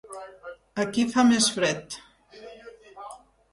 Aquí fa més fred